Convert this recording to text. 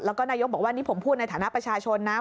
แล้วก็นายกบอกว่านี่ผมพูดในฐานะประชาชนนะ